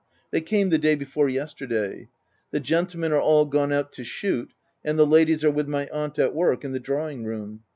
They came the day before yesterday. The gentlemen are all gone out to shoot, and the ladies are with my aunt, at work, in the drawing room.